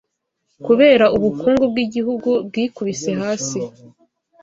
kubera ubukungu bw’igihugu bwikubise hasi